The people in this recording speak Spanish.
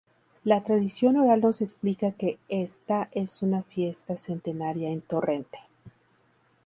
La tradición oral nos explica que esta es una fiesta centenaria en Torrente.